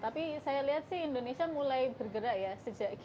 tapi saya lihat sih indonesia mulai bergerak ya sejak g dua puluh